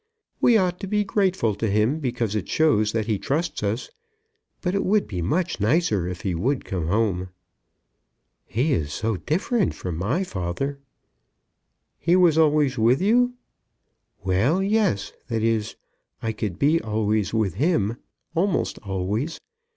We ought to be grateful to him because it shows that he trusts us; but it would be much nicer if he would come home." "He is so different from my father." "He was always with you." "Well; yes; that is, I could be always with him, almost always.